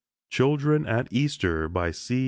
CHILDREN AT EASTER C.